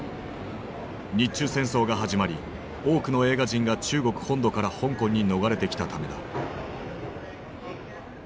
日中戦争が始まり多くの映画人が中国本土から香港に逃れてきたためだ。